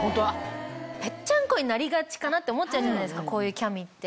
ペッチャンコになりがちかなって思っちゃうじゃないですかこういうキャミって。